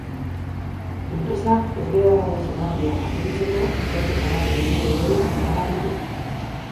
Enpresak ezbeharraren zergatiak argitzeko ikerketa bat egingo duela iragarri du.